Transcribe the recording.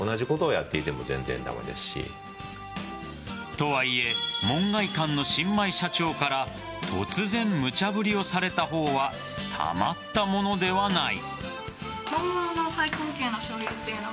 とはいえ門外漢の新米社長から突然、無茶振りをされた方はたまったものではない。